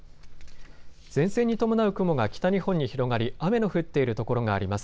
前線に伴う雲が北日本に広がり雨の降っている所があります。